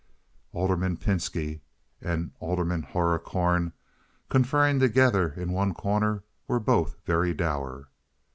Alderman Pinski and Alderman Hoherkorn, conferring together in one corner, were both very dour.